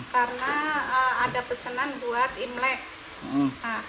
karena ada pesanan buat imlek